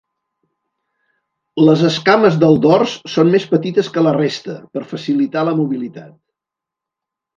Les escames del dors són més petites que la resta, per facilitar la mobilitat.